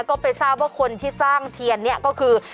ก็ไปทราบว่าคนที่สร้างเทียนเนี่ยก็คือ